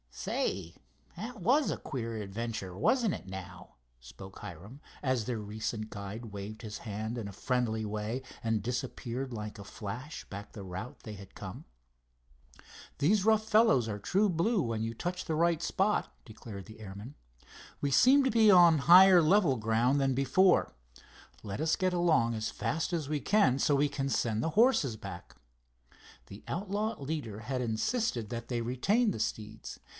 "Say, that was a queer adventure, wasn't it now?" spoke Hiram, as their recent guide waved his hand in a friendly way and disappeared like a flash back the route they had come. "These rough fellows are true blue when you touch the right spot," declared the airman. "We seem to be on higher level ground than before. Let us get along as fast as we can, so we can send the horses back." The outlaw leader had insisted that they retain the steeds.